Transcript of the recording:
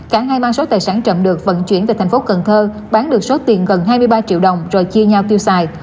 cả hai mang số tài sản chậm được vận chuyển về thành phố cần thơ bán được số tiền gần hai mươi ba triệu đồng rồi chia nhau tiêu xài